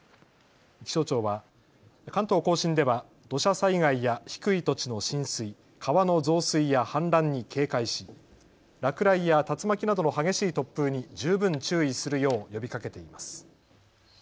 気象庁は関東甲信では土砂災害や低い土地の浸水、川の増水や氾濫に警戒し落雷や竜巻などの激しい突風に十分注意するよう呼びかけています。